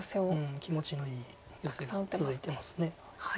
気持ちのいいヨセが続いてます。